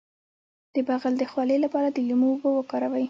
د بغل د خولې لپاره د لیمو اوبه وکاروئ